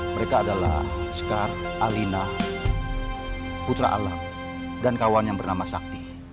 mereka adalah skar alina putra alam dan kawan yang bernama sakti